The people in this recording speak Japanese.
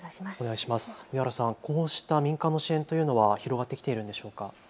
荻原さん、こうした民間の支援は広がってきているんでしょうか。